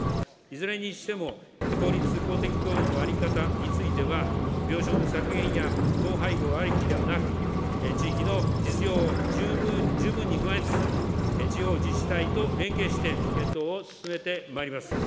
いずれにしても公立・公的病院の在り方については、病床の削減や統廃合ありきではなく、地域の実情を十分に踏まえつつ、地方自治体と連携して、検討を進めてまいります。